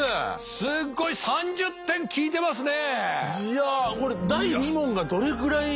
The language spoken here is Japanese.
すっごい３０点きいてますね。